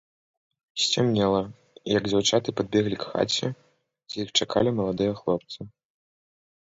Сцямнела, як дзяўчаты падбеглі к хаце, дзе іх чакалі маладыя хлопцы.